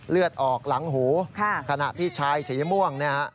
เลือดออกหลังหูขณะที่ชายสีม่วงเนี่ยฮะ